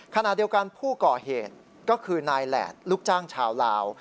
ขณะเดียวกันผู้ก่อเหตุก็คือนายแหลดลูกจ้างชาวลาว